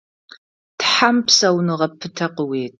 Тхьэм псауныгъэ пытэ къыует.